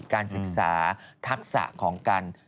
การศึกษาทักษะของการ